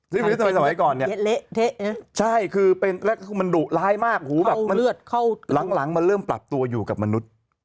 ซิฟิลิสต์ในสมัยก่อนเนี่ยใช่คือเป็นมันดุลายมากหลังมันเริ่มปรับตัวอยู่กับมนุษย์